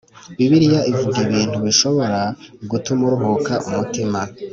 Bibiliya ivuga ibintu bishobora gutuma uruhuka umutima